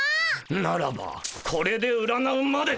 ならばこれで占うまで。